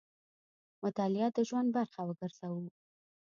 مطالعه د ژوند برخه وګرځوو.